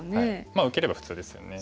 まあ受ければ普通ですよね。